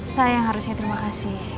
saya yang harusnya terima kasih